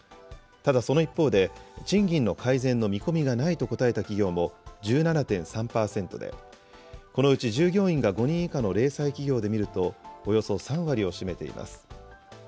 ただ、その一方で、賃金の改善の見込みがないと答えた企業も、１７．３％で、このうち従業員が５人以下の零細企業で見ると、およそ３割を占めています。